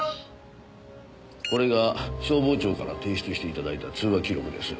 これが消防庁から提出して頂いた通話記録です。